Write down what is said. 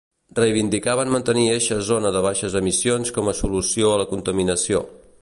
Reivindicaven mantenir eixa zona de baixes emissions com a solució a la contaminació.